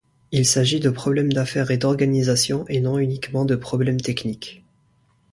Il s’agit de problèmes d’affaires et d’organisations et non uniquement de problèmes techniques.